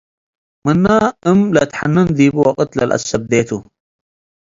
ምነ እም ለትሐንን ዲቡ ወቅት ለልአስተብዴ ቱ ።